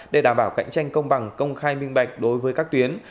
để đảm bảo cạnh tranh công bằng công khai minh bạch đối với các tuyến